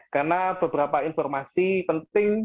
karena beberapa informasi